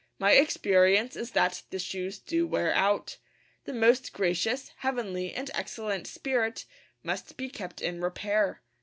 My experience is that the shoes do wear out. The most 'gracious, heavenly, and excellent spirit' must be kept in repair.